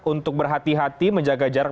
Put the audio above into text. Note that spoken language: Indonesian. untuk berhati hati menjaga jarak